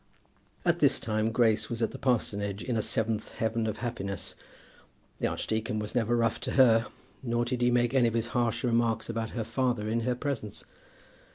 At this time Grace was at the parsonage in a seventh heaven of happiness. The archdeacon was never rough to her, nor did he make any of his harsh remarks about her father in her presence.